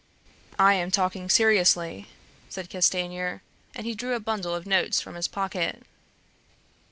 "I am talking seriously," said Castanier, and he drew a bundle of notes from his pocket.